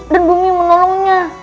dan bumi menolongnya